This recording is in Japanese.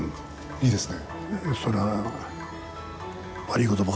いいですね。